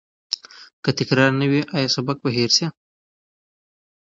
که تکرار نه وي، آیا سبق به هیر نه سی؟